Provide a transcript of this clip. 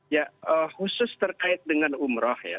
ya khusus terkait dengan umroh ya